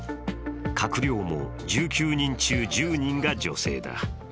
閣僚も１９人中１０人が女性だ。